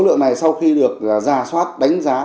lượng này sau khi được rà soát đánh giá